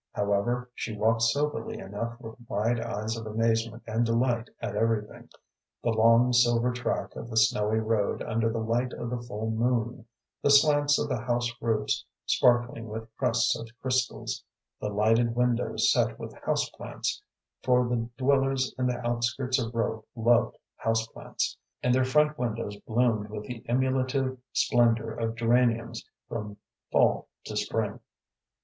However, she walked soberly enough with wide eyes of amazement and delight at everything the long, silver track of the snowy road under the light of the full moon, the slants of the house roofs sparkling with crusts of crystals, the lighted windows set with house plants, for the dwellers in the outskirts of Rowe loved house plants, and their front windows bloomed with the emulative splendor of geraniums from fall to spring.